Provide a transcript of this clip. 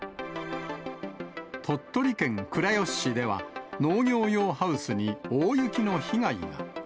鳥取県倉吉市では、農業用ハウスに大雪の被害が。